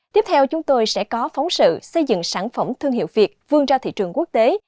tiếp theo chúng tôi sẽ có phóng sự xây dựng sản phẩm thương hiệu việt vươn ra thị trường quốc tế